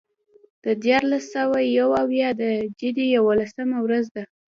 د دیارلس سوه یو اویا د جدې یوولسمه ورځ ده.